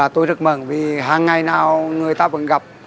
tôi rất mừng vì hàng ngày nào người ta vẫn gặp